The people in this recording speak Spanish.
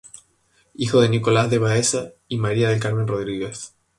Hijo de Nicolás de Baeza y María del Carmen Rodríguez.